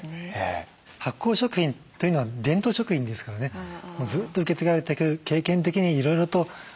発酵食品というのは伝統食品ですからねもうずっと受け継がれていく経験的にいろいろと洗練されてきてる。